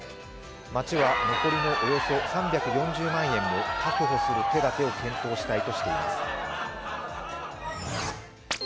町は残りのおよそ３４０万円も確保する手だてを検討したいとしています。